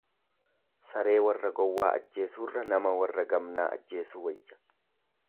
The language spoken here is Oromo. Saree warra gowwaa ajjeesuurra, nama warra gamnaa ajjeesuu wayya.